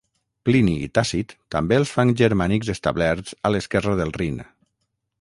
Plini i Tàcit també els fan germànics establerts a l'esquerra del Rin.